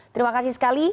terima kasih sekali